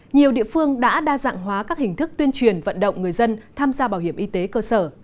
nhiều địa phương đã đa dạng hóa các hình thức tuyên truyền vận động người dân tham gia bảo hiểm y tế cơ sở